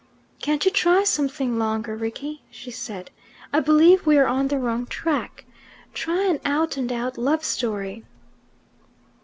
"Can't you try something longer, Rickie?" she said; "I believe we're on the wrong track. Try an out and out love story."